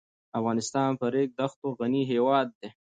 افغانستان په ریګ دښتو غني هېواد دی.